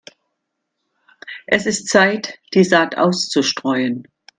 Es ist Zeit, die Saat auszustreuen.